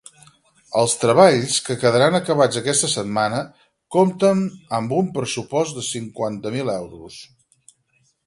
Els treballs, que quedaran acabats aquesta setmana, compten amb un pressupost de cinquanta mil euros.